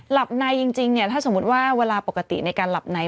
หลับในจริงเนี่ยถ้าสมมุติว่าเวลาปกติในการหลับใน